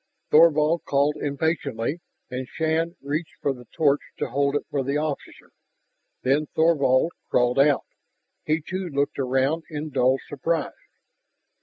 Thorvald called impatiently, and Shann reached for the torch to hold it for the officer. Then Thorvald crawled out; he, too, looked around in dull surprise.